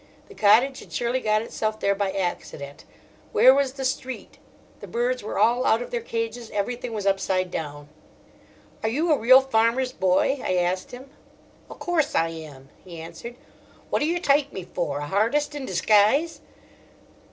The cottage had surely got itself there by accident: where was the street? The birds were all out of their cages; everything was upside down. "Are you a real farmer's boy?" I asked him. "O' course I am," he answered. "What do yer tike me for—a hartist in disguise?"